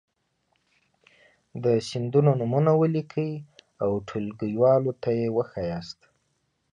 د سیندونو نومونه ولیکئ او ټولګیوالو ته یې وښایاست.